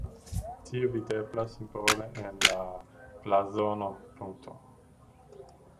Tio videblas simbole en la blazono.